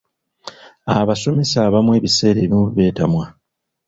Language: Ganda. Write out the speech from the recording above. Abasomesa abamu ebiseera ebimu beetamwa.